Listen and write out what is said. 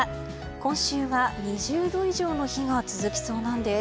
今週は２０度以上の日が続きそうなんです。